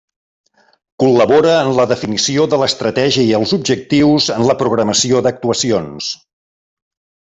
Col·labora en la definició de l'estratègia i els objectius en la programació d'actuacions.